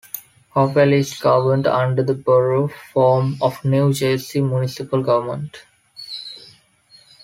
Hopewell is governed under the Borough form of New Jersey municipal government.